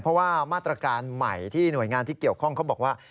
เพราะว่ามาตรการใหม่ที่หน่วยงานที่เกี่ยวข้องเขาบอกว่า